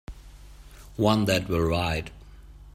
One that will write.